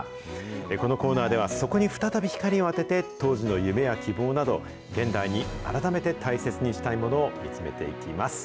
このコーナーでは、そこに再び光を当てて、当時の夢や希望など、現代に改めて大切にしたいものを見つめていきます。